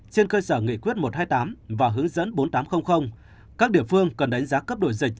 trên cơ sở nghị quyết một trăm hai mươi tám và hướng dẫn bốn nghìn tám trăm linh các địa phương cần đánh giá cấp đổi dịch